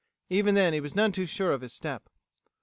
Even then he was none too sure of his step.